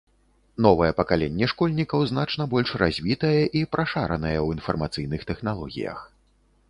Новае пакаленне школьнікаў значна больш развітае і прашаранае ў інфармацыйных тэхналогіях.